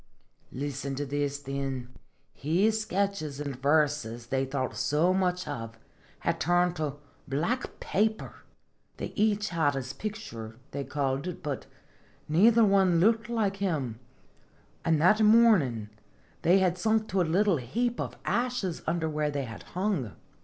Listen to this, thin: His sketches an' verses they thought so much of had turned to black paper! They each had his picture, they called it, but neither one looked like him, an' that mornin' they had sunk to a little heap of ashes under where they had hung!